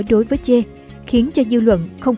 đối với che khiến cho dư luận không